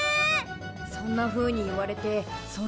そんなふうに言われてそれ以来。